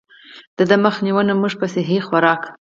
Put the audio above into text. د دې مخ نيوے مونږ پۀ سهي خوراک ،